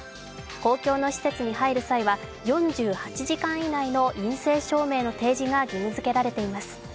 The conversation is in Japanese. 公共の施設に入る際は４８時間以内の陰性証明の提示が義務付けられています。